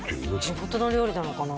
地元の料理なのかな？